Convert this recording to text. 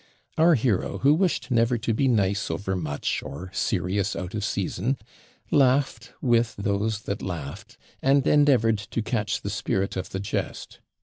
Our hero, who wished never to be nice overmuch, or serious out of season, laughed with those that laughed, and endeavoured to catch the spirit of the jest.